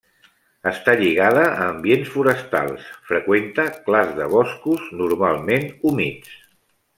Està lligada a ambients forestals: freqüenta clars de boscos, normalment humits.